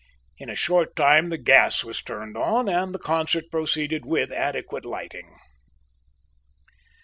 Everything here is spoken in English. In a short time the gas was turned on, and the concert proceeded with adequate lighting.